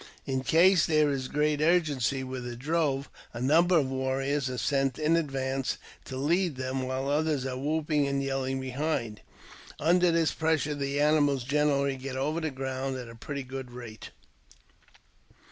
In case there is great urgency with a drove, a number of warriors are sent in advance Ito lead them, while others are whooping and yelling behind* ,Under this pressure, the animals generally get over the ground at a pretty good rate.